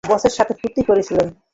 বসের সাথে ফূর্তি করছিলে।